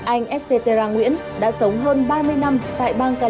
anh eccetera nguyễn đã sống hơn ba mươi năm tại bang california của mỹ